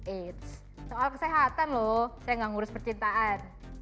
eits soal kesehatan loh saya gak ngurus percintaan